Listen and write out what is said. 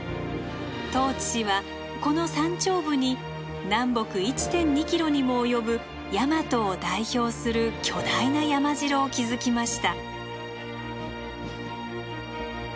十市氏はこの山頂部に南北１．２ｋｍにも及ぶ大和を代表する巨大な山城を築きました。